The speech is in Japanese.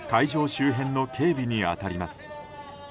周辺の警備に当たります。